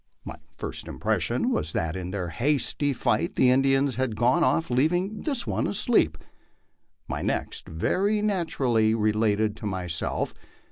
My first impression was that in their hasty flight the Indians had gone oft' leaving this one asleep. My next, very naturally, related to myself.